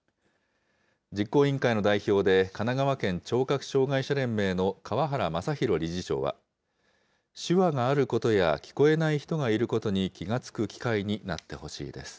実行委員会の代表で、神奈川県聴覚障害者連盟の河原雅浩理事長は、手話があることや聞こえない人がいることに気が付く機会になってほしいです。